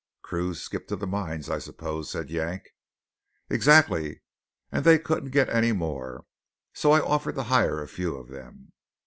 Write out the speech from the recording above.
"Crews skipped to the mines, I suppose?" said Yank. "Exactly. And they couldn't get any more. So I offered to hire a few of them."